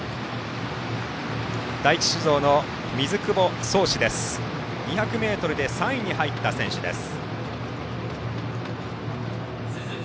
第一酒造の水久保漱至２００ｍで３位に入った選手です。